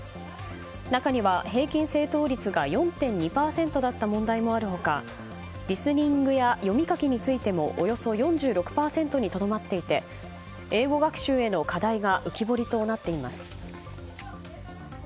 中には、平均正答率が４．２％だった問題もある他リスニングや読み書きについてもおよそ４６％にとどまっていて英語学習への課題が浮き彫りとなっています。